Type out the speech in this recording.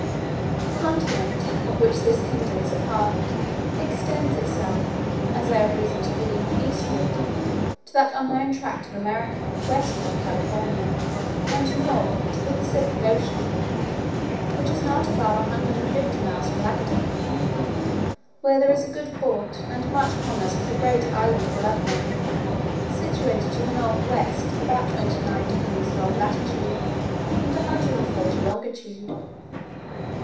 The continent, of which this kingdom is apart, extends itself, as I have reason to believe, eastward, to that unknown tract of America westward of California; and north, to the Pacific Ocean, which is not above a hundred and fifty miles from Lagado; where there is a good port, and much commerce with the great island of Luggnagg, situated to the north west about 29 degrees north latitude, and 140 longitude.